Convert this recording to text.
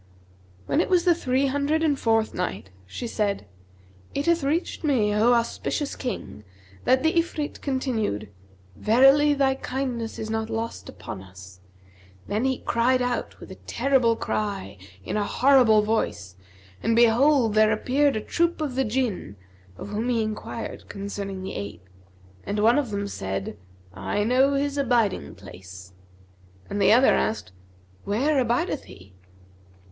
When it was the Three Hundred and fourth Night, She said, It hath reached me, O auspicious King, that the Ifrit continued, "'Verily thy kindness is not lost upon us.' Then he cried out with a terrible outcry in a horrible voice, and behold, there appeared a troop of the Jinn, of whom he enquired concerning the ape; and one of them said, 'I know his abiding place;' and the other asked 'Where abideth he?'